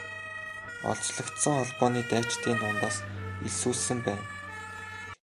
Олзлогдсон холбооны дайчдын дундаас элсүүлсэн байна.